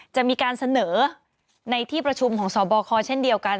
จะมีการเสนอในที่ประชุมของสบคเช่นเดียวกัน